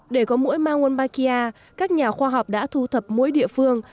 để có mũi mang wombakia các nhà khoa học đã thu thập mũi địa phương